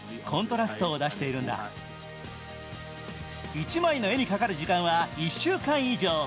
１枚の絵にかかる時間は１週間以上。